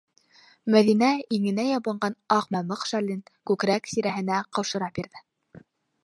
- Мәҙинә иңенә ябынған аҡ мамыҡ шәлен күкрәк тирәһенә ҡаушыра бирҙе.